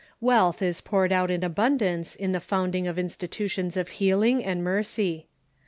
Wealth is poured out in abun dance in the founding of institutions of healing and mercy.